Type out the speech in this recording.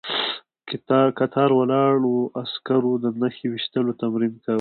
کتار ولاړو عسکرو د نښې ويشتلو تمرين کاوه.